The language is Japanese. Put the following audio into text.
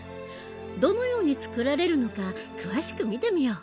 どのように作られるのか詳しく見てみよう！